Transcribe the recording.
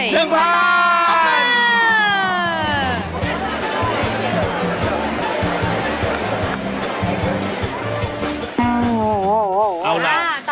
เรื่องภาพ